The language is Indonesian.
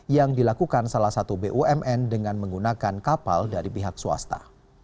yang dilakukan salah satu bumn dengan menggunakan kapal dari pihak swasta